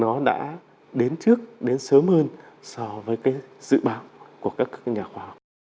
nó đã đến trước đến sớm hơn so với cái dự báo của các nhà khoa học